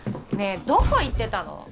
えどこ行ってたの？